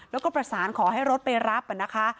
แล้วก็ประสานขอให้รถไปรับนะคะ